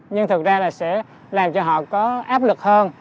nhưng thực ra là sẽ làm cho họ có áp lực hơn